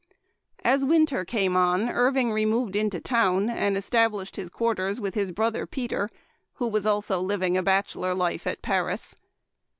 As winter came on Irving removed into town and established his quarters with his brother Peter, who was also living a bachelor life at Paris.